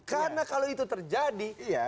karena kalau itu terjadi